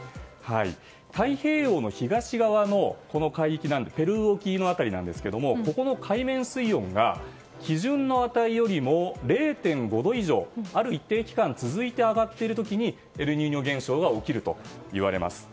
太平洋の東側の海域ペルー沖の辺りですがここの海面水温が基準の値よりも０．５度以上、ある一定期間続いて上がっている時にエルニーニョ現象が起こるといわれます。